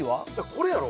これやろ？